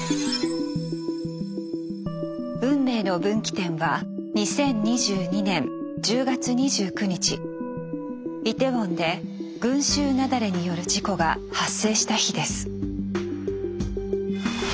運命の分岐点はイテウォンで群集雪崩による事故が発生した日です。